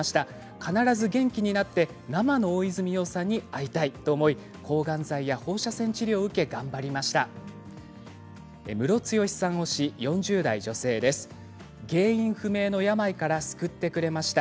必ず元気になって生の大泉洋さんに会いたいと思い抗がん剤や放射線治療を受け頑張りました。